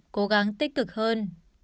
cố gắng tích cực hơn